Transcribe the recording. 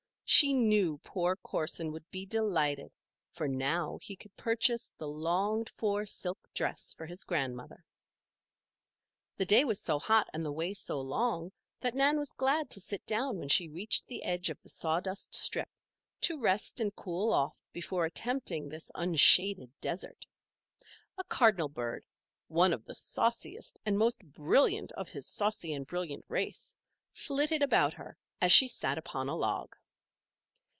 She knew poor Corson would be delighted, for now he could purchase the longed for silk dress for his grandmother. The day was so hot and the way so long that Nan was glad to sit down when she reached the edge of the sawdust strip, to rest and cool off before attempting this unshaded desert. A cardinal bird one of the sauciest and most brilliant of his saucy and brilliant race, flitted about her as she sat upon a log.